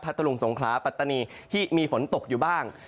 ทะลุงสงขลาปัตตานีที่มีฝนตกอยู่บ้าง